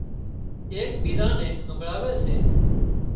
ايڪ ٻيزان نين همڀۯاوي سي